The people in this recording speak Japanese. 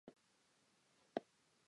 価値観を押しつけるのはよくない